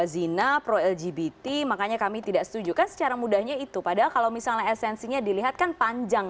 zina pro lgbt makanya kami tidak setuju kan secara mudahnya itu padahal kalau misalnya esensinya dilihat kan panjang